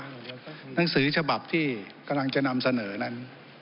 หนังสือฉบับที่กำลังจะนำเสนอนั้น